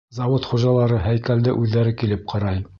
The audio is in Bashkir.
Завод хужалары һәйкәлде үҙҙәре килеп ҡарай.